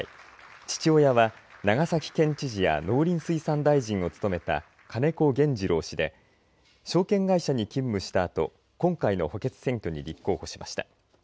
父親は長崎県知事や農林水産大臣を務めた金子原二郎氏で証券会社に勤務したあと今回の補欠選挙に立候補しました。